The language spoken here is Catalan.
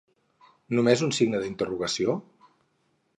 Només un signe d'interrogació ?